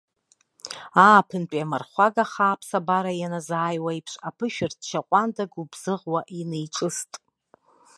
Ааԥынтәи амырхәага хаа аԥсабара ианазааиуа еиԥш, аԥышәырчча ҟәанда гәыбзыӷуа инеиҿыст.